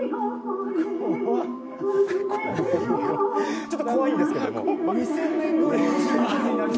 ちょっと怖いんですけれども。